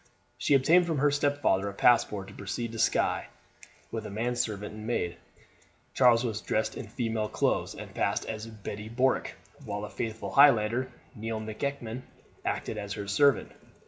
She obtained from her stepfather a passport to proceed to Skye with a manservant and a maid. Charles was dressed in female clothes, and passed as Betty Bourk, while a faithful Highlander, Neil M'Eachan, acted as her servant.